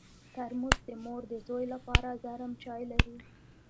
ترموز د مور د زوی لپاره ګرم چای لري.